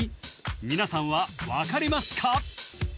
皆さんは分かりますか？